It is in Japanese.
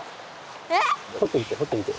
え⁉ほってみてほってみて。